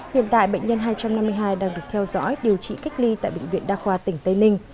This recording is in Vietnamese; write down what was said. hiện tại bệnh nhân hai trăm năm mươi hai đang được theo dõi điều trị cách ly tại bệnh viện đa khoa tỉnh tây ninh